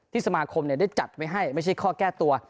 สมาคมได้จัดไว้ให้ไม่ใช่ข้อแก้ตัว